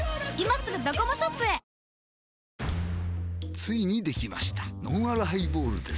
ついにできましたのんあるハイボールです